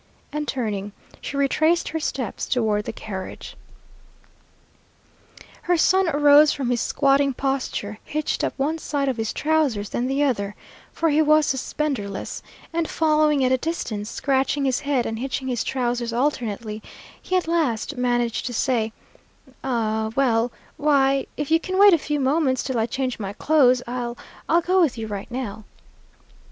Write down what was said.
and turning, she retraced her steps toward the carriage. Her son arose from his squatting posture, hitching up one side of his trousers, then the other, for he was suspenderless, and following at a distance, scratching his head and hitching his trousers alternately, he at last managed to say, "Ah, well why if you can wait a few moments till I change my clothes, I'll I'll go with you right now."